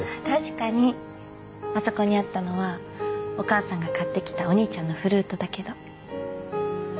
確かにあそこにあったのはお母さんが買ってきたお兄ちゃんのフルートだけど。